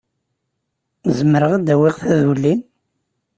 Zemreɣ ad awiɣ taduli?